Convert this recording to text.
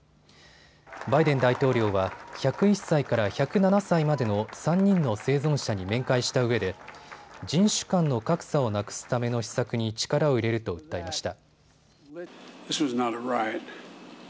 バイデン大統領は１０１歳から１０７歳までの３人の生存者に面会したうえで人種間の格差をなくすための施策に力を入れると訴えました。